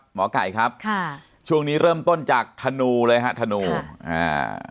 หมอไก่ครับค่ะช่วงนี้เริ่มต้นจากธนูเลยฮะธนูอ่า